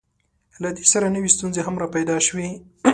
له دې سره نوې ستونزې هم راپیدا شوې.